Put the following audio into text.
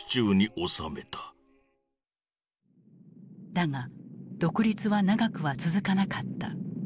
だが独立は長くは続かなかった。